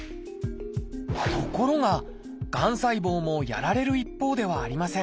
ところががん細胞もやられる一方ではありません。